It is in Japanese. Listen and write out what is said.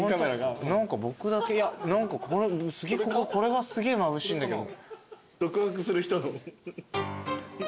何か僕だけこれがすげえまぶしいんだけど。